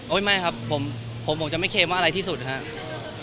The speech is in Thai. ไม่ครับผมผมจะไม่เคมว่าอะไรที่สุดครับ